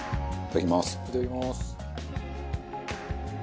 いただきます。